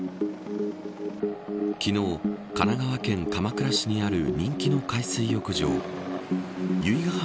昨日、神奈川県鎌倉市にある人気の海水浴場由比ガ浜